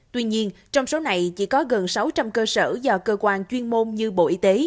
tuy nhiên trong số này chỉ có gần sáu trăm linh cơ sở do cơ quan chuyên môn như bộ y tế